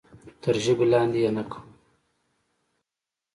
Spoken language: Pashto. تر ژبه لاندې یې نه کوم.